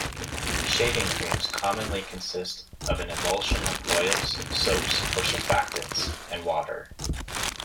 Shaving creams commonly consist of an emulsion of oils, soaps or surfactants, and water.